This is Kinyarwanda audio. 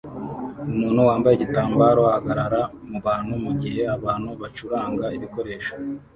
Umuntu wambaye igitambaro ahagarara mubantu mugihe abantu bacuranga ibikoresho